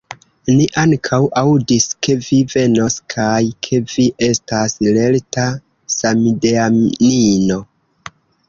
Ni ankaŭ aŭdis, ke vi venos, kaj ke vi estas lerta samideanino.